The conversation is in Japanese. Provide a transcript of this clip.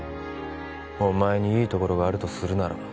お前にいいところがあるとするなら